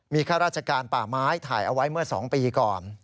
ข้าราชการป่าไม้ถ่ายเอาไว้เมื่อ๒ปีก่อน